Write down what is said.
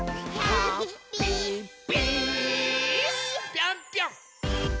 ぴょんぴょん！